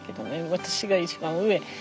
私が一番上。